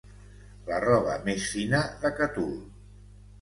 La roba més fina de Catul.